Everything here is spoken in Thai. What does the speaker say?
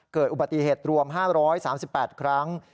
เกิดอุบัติเหตุรวม๕๓๘ครั้ง